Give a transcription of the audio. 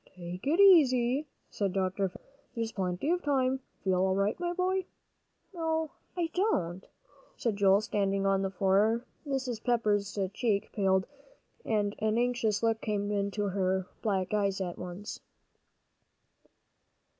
"Take it easy," said Dr. Fisher, "there's plenty of time. Feel all right, my boy?" "No, I don't," said Joel, standing on the floor. Mrs. Pepper's cheek paled, and an anxious look came into her black eyes at once.